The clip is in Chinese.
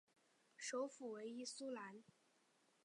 首府为伊苏兰。